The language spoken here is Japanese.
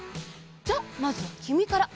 じゃあまずはきみから！